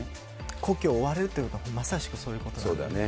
故郷を追われるというのはまさしくそういうことだと思います。